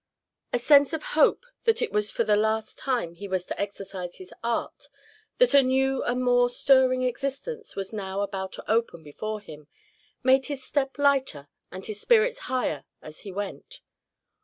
A sense of hope that it was for the last time he was to exercise his art, that a new and more stirring existence was now about to open before him, made his step lighter and his spirits higher as he went.